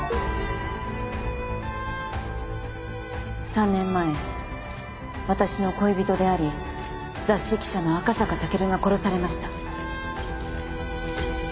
３年前私の恋人であり雑誌記者の赤坂武尊が殺されました。